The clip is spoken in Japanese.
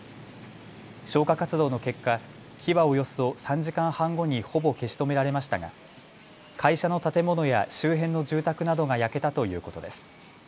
消火活動の結果、火はおよそ３時間半後にほぼ消し止められましたが会社の建物や周辺の住宅などが焼けたということです。